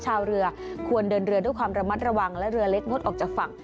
ชาวเรือควรเดินเรือด้วยความระมัดระวังและเรือเล็กงดออกจากฝั่ง